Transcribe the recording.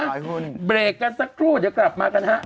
เบรกกันสักครู่เดี๋ยวกลับมากันฮะ